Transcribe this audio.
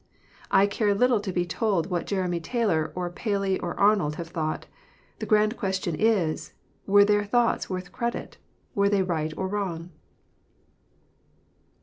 I care little to be told what Jeremy Taylor, or Paley, or Arnold have thought. The grand question is, " Were their thoughts worth credit ? were they right or wrong